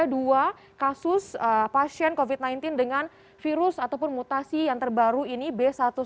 jadi ini adalah dua kasus pasien covid sembilan belas dengan virus ataupun mutasi yang terbaru ini b satu satu tujuh